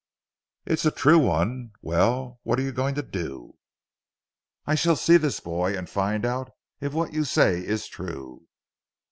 "It's a true one. Well, what are you going to do." "I shall see this boy, and find out if what you say is true."